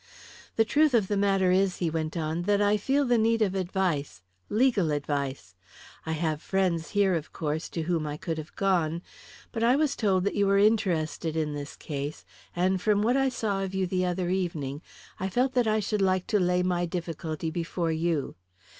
"The truth of the matter is," he went on, "that I feel the need of advice legal advice. I have friends here, of course, to whom I could have gone; but I was told that you were interested in this case, and from what I saw of you the other evening, I felt that I should like to lay my difficulty before you.